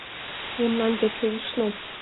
— Мемнан деке ушно.